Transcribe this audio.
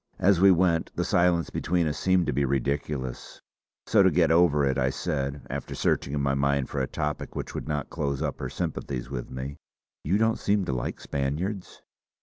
As we went, the silence between us seemed to be ridiculous; so to get over it I said, after searching in my mind for a topic which would not close up her sympathies with me: "You don't seem to like Spaniards?"